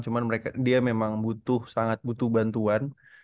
cuman mereka dia memang butuh sangat butuh bantuan